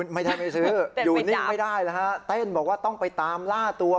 ไม่ได้ไปซื้ออยู่นิ่งไม่ได้ต้องไปตามล่าตัว